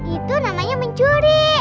itu namanya mencuri